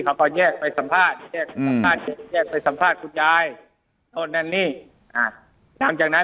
ของพ่อเย็บไปสัมภาษณ์สัมภาษณ์สันคุณหน้านี้หลังจากนั้น